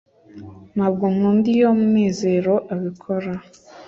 ntabwo nkunda iyo munezero abikora